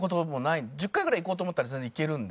１０回ぐらい行こうと思ったら全然行けるんで。